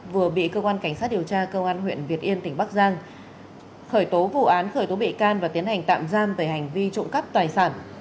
vừa bị cơ quan cảnh sát điều tra công an huyện việt yên tỉnh bắc giang khởi tố vụ án khởi tố bị can và tiến hành tạm giam về hành vi trộm cắp tài sản